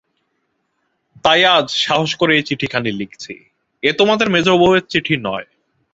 তাই আজ সাহস করে এই চিঠিখানি লিখছি, এ তোমাদের মেজোবউয়ের চিঠি নয়।